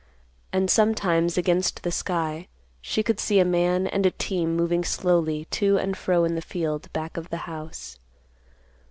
And sometimes, against the sky, she could see a man and a team moving slowly to and fro in the field back of the house.